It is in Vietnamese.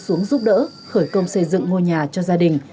xuống giúp đỡ khởi công xây dựng ngôi nhà cho gia đình